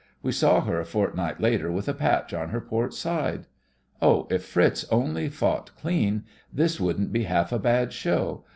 We saw her a fortnight later with a patch on her port side. Oh, if Fritz only fought clean, this wouldn't be half a bad show.